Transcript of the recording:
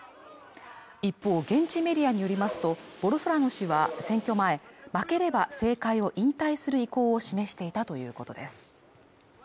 一方現地メディアによりますとボルソナロ氏は選挙前負ければ政界を引退する意向を示していたということです